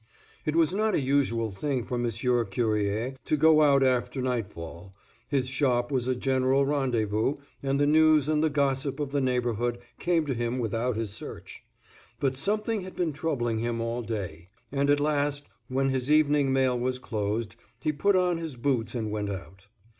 It was not a usual thing for Monsieur Cuerrier to go out after nightfall; his shop was a general rendezvous, and the news and the gossip of the neighborhood came to him without his search. But something had been troubling him all day, and at last, when his evening mail was closed, he put on his boots and went out.